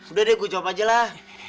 udah deh gue jawab aja lah